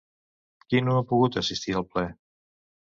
Qui no ha pogut assistir al ple?